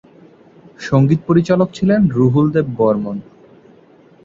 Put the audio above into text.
সঙ্গীত পরিচালক ছিলেন রাহুল দেব বর্মণ।